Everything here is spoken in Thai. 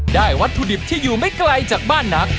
วัตถุดิบที่อยู่ไม่ไกลจากบ้านนัก